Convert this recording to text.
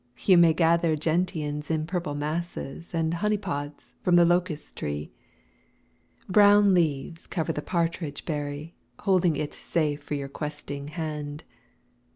You may gather gentians in purple masses And honeypods from the locust tree. Brown leaves cover the partridge berry, \ Holding it safe for your questing hand.